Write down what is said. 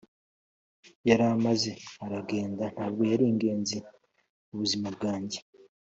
Yaramaze aragenda ntabwo yaringenzi mubuzima bwanjye